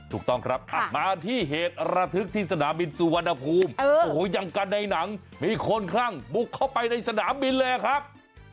ถูกต้องครับมาที่เหตุระทึกที่สนามบินสุวรรณภูมิโอ้โหยังกันในหนังมีคนคลั่งบุกเข้าไปในสนามบินเลยครับ